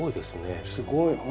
すごい。